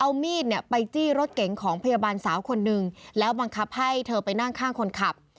เอามีดเนี่ยไปจี้รถเก๋งของพยาบาลสาวคนนึงแล้วบังคับให้เธอไปนั่งข้างคนขับ